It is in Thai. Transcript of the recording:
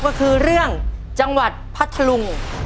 ก็คือเรื่องจังหวัดพัทธลุง